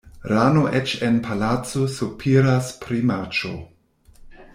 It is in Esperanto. Rano eĉ en palaco sopiras pri marĉo.